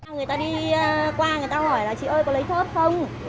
người ta đi qua người ta hỏi là chị ơi có lấy thốt không